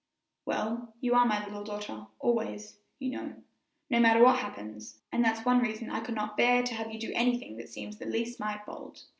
"Well, you are my little daughter always, you know, no matter what happens, and that's one reason I cannot bear to have you do anything that seems the least mite bold."